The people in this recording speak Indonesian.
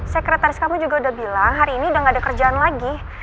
sekretaris kamu juga udah bilang hari ini udah gak ada kerjaan lagi